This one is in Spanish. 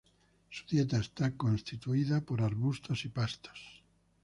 Su dieta está constituida por arbustos y pastos.